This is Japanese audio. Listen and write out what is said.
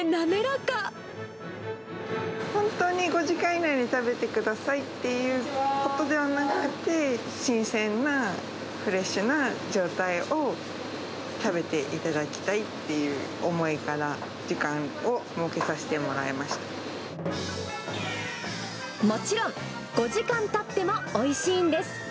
本当に５時間以内に食べてくださいということではなくて、新鮮なフレッシュな状態を食べていただきたいっていう思いから、もちろん、５時間たってもおいしいんです。